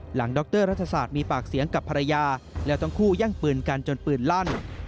ดรรัฐศาสตร์มีปากเสียงกับภรรยาแล้วทั้งคู่แย่งปืนกันจนปืนลั่น